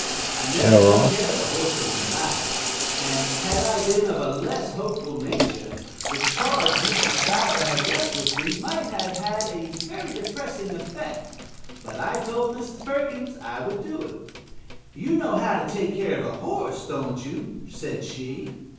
I never took care of a horse in my life; and, had I been of a less hopeful nature, the charge Mr. Stiver had left with me might have had a very depressing effect; but I told Mrs. Perkins I would do it. "You know how to take care of a horse, don't you?" said she.